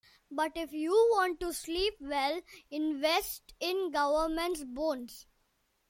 But, if you want to sleep well, invest in government bonds.